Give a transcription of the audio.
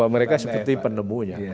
mereka seperti penemunya